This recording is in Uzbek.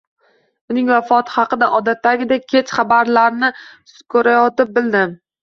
Uning vafoti haqida, odatdagidek, kechki xabarlarni ko`rayotib bildim